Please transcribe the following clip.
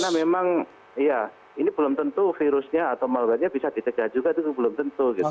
karena memang ya ini belum tentu virusnya atau malwarenya bisa dicegah juga itu belum tentu gitu pak